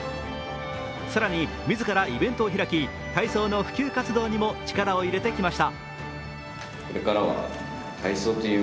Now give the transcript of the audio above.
更に、自らイベントを開き体操の普及活動にも力を入れてきました。